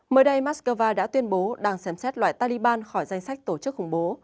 mới đây moscow đã tuyên bố đang xem xét loại taliban khỏi danh sách tổ chức khủng bố